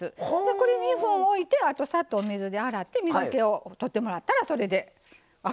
これ２分置いてあとさっとお水で洗って水けをとってもらったらそれでアクが抜けるんですよ。